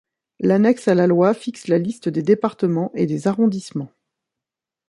L'annexe à la loi fixe la liste des départements et des arrondissements.